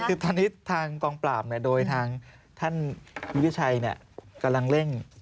คือตอนนี้ทางกองปราบโดยทางท่านวิทยาชัยกำลังเร่ง